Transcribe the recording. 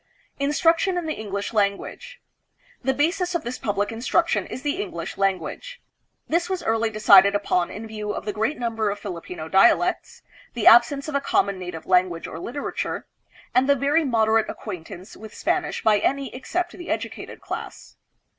Instruction in the English Language The basis of this public instruction is the English language. This was early decided upon in view of the great number of Filipino dialects, the absence of a common native language or literature, and the very moderate acquaintance with Spanish by any except the educated class.